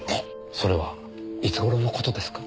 それはいつ頃の事ですか？